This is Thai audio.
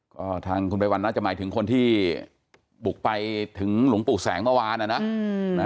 ก็ทางคุณไปวันน่าจะหมายถึงคนที่บุกไปถึงหลวงปู่แสงเมื่อวานนะ